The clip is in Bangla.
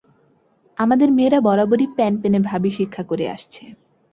আমাদের মেয়েরা বরাবরই প্যানপেনে ভাবই শিক্ষা করে আসছে।